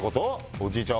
おじいちゃん